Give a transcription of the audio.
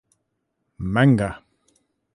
Manga!